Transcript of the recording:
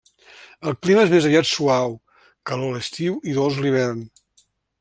El clima és més aviat suau, calor l'estiu i dolç l'hivern.